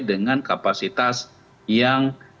dengan kapasitas yang